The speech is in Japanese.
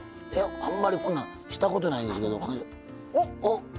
あんまりこんなんしたことないけど。